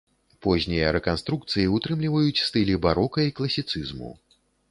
Познія рэканструкцыі ўтрымліваюць стылі барока і класіцызму.